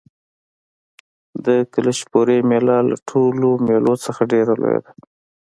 د کلشپورې مېله له ټولو مېلو نه ډېره لویه وه.